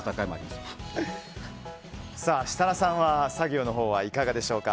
設楽さんは作業のほうはいかがでしょうか？